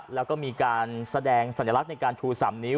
แล้วก็มีการแสดงสัญลักษณ์ในการชู๓นิ้ว